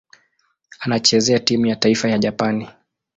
Anachezea timu ya taifa ya Japani.